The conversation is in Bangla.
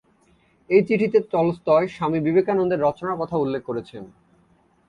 এই চিঠিতে টলস্টয় স্বামী বিবেকানন্দের রচনার কথা উল্লেখ করেছেন।